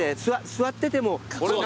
座ってても。